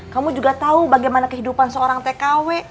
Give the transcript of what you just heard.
kamu juga tahu bagaimana kehidupan seorang tkw